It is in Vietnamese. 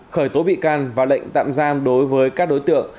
khởi tố bị can và lệnh tạm giam đối với các đối tượng